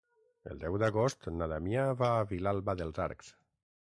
El deu d'agost na Damià va a Vilalba dels Arcs.